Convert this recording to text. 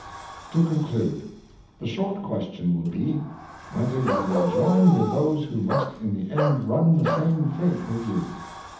To conclude, the short Question will be. Whether you will join with those who must in the end run the same Fate with you